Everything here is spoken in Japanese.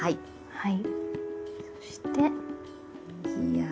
はい。